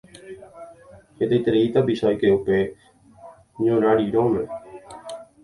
Hetaiterei tapicha oike upe ñorarirõme.